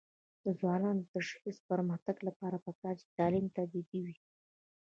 د ځوانانو د شخصي پرمختګ لپاره پکار ده چې تعلیم ته جدي وي.